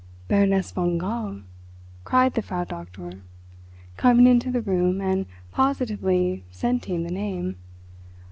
"Baroness von Gall," cried the Frau Doktor, coming into the room and positively scenting the name.